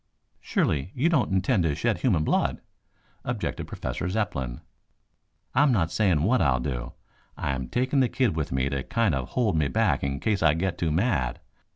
"Surely, you don't intend to shed human blood?" objected Professor Zepplin. "I am not saying what I'll do. I am taking the kid with me to kind of hold me back in case I get too mad.